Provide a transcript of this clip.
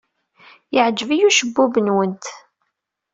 Yeɛjeb-iyi ucebbub-nwent.